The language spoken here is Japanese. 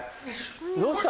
どうした？